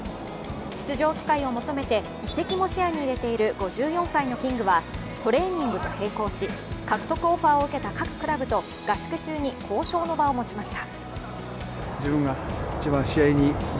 出場機会を求めて移籍も視野に入れている５４歳のキングは、トレーニングと並行し獲得オファーを受けた各クラブで合宿中に交渉の場を持ちました。